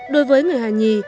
đối với người hà nghì